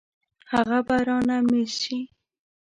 هغه به رانه مېس شي.